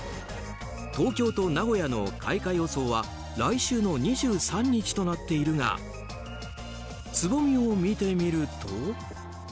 東京と名古屋の開花予想は来週の２３日となっているがつぼみを見てみると。